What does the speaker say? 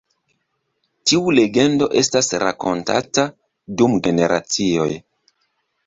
Tiu legendo estas rakontata dum generacioj.